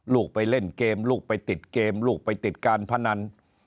ลูกไปเล่นเกมลูกไปติดเกมลูกไปติดการพนัน